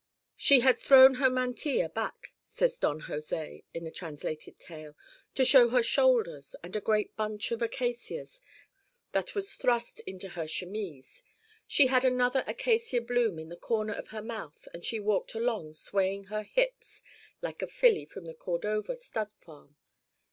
'She had thrown her mantilla back,' says Don José in the translated tale, 'to show her shoulders and a great bunch of acacias that was thrust into her chemise. She had another acacia bloom in the corner of her mouth and she walked along swaying her hips like a filly from the Cordova stud farm.